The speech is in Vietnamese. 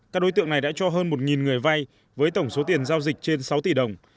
các đối tượng này đã cho hơn một người vai với tổng số tiền giao dịch trên sáu tỷ đồng